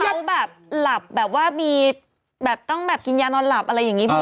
เขาแบบหลับแบบว่ามีแบบต้องแบบกินยานอนหลับอะไรอย่างนี้